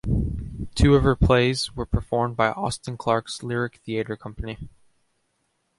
Two of her plays were performed by Austin Clarke's Lyric Theatre Company.